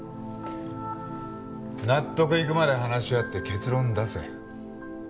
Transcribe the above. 納得いくまで話し合って結論出せ。